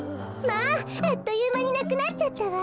まああっというまになくなっちゃったわ。